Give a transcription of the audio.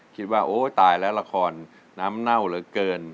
โอ๊ยตายแล้วละครน้ำเน่าเหลือเกิน